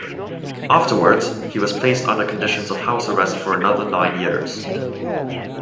Afterwards, he was placed under conditions of house arrest for another nine years.